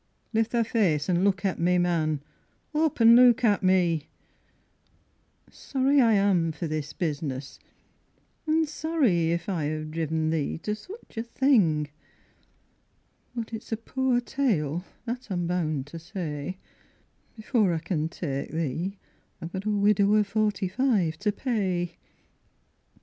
Lift thy face an' look at me, man, up an' look at me: Sorry I am for this business, an' sorry if I ha'e driven thee To such a thing: but it's a poor tale, that I'm bound to say, Before I can ta'e thee I've got a widow of forty five to pay.